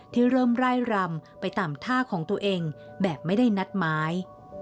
ที่เริ่มไล่รำไปตามท่าของตัวเองแบบไม่ได้นัดหมาย